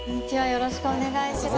よろしくお願いします。